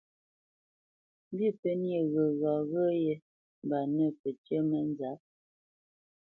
Mbî pə́ nyê ghəgha ghyə́yé mba nə̂ pəcyə́ mənzǎp.